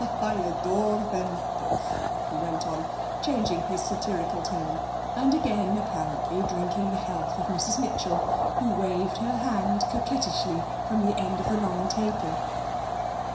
I adore them both,' he went on, changing his satirical tone, and again apparently drinking the health of Mrs Mitchell, who waved her hand coquettishly from the end of the long table.